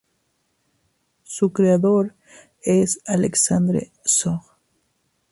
Su creador es Alexandre So.